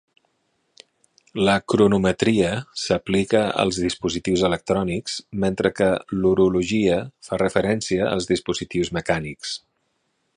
La cronometria s'aplica als dispositius electrònics, mentre que l'horologia fa referència als dispositius mecànics.